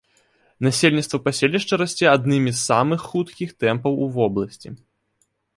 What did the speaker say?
Насельніцтва паселішча расце аднымі з самых хуткіх тэмпаў у вобласці.